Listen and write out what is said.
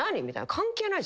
関係ないじゃん。